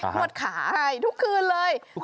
นวดขาทุกคืนเลย